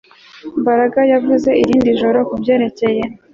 Mbaraga yavuze irindi joro kubyerekeye